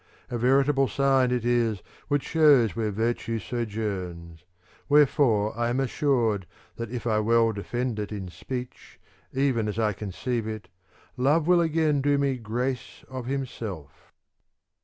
A veritable sign it is which shows where virtue sojourns ; where fore I am assured that if I well defend it in speech, even as I conceive it, love will again do me grace of himself.